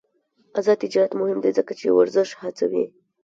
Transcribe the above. آزاد تجارت مهم دی ځکه چې ورزش هڅوي.